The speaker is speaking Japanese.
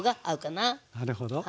なるほど。